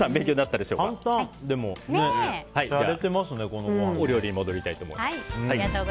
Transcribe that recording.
では、お料理に戻りたいと思います。